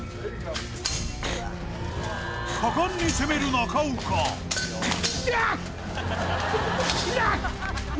果敢に攻める中岡痛いっ！